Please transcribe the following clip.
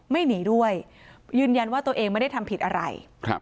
ไม่หนีด้วยยืนยันว่าตัวเองไม่ได้ทำผิดอะไร